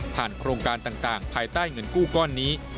โครงการต่างภายใต้เงินกู้ก้อนนี้